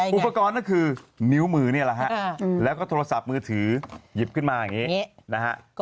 นี่คือนิ้วมือแล้วก็โทรศัพท์มือถือหยิบขึ้นมาอย่างนี้